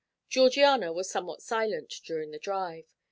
Georgiana was somewhat silent during the drive.